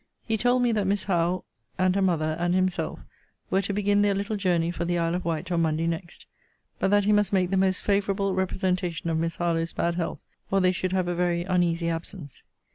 He told me that Miss Howe, and her mother, and himself, were to begin their little journey for the Isle of Wight on Monday next: but that he must make the most favourable representation of Miss Harlowe's bad health, or they should have a very uneasy absence.